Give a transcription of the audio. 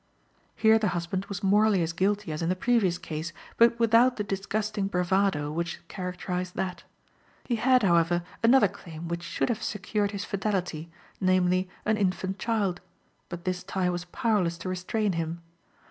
Here the husband was morally as guilty as in the previous case, but without the disgusting bravado which characterized that. He had, however, another claim which should have secured his fidelity, namely, an infant child; but this tie was powerless to restrain him.